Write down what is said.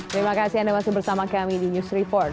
terima kasih anda masih bersama kami di news report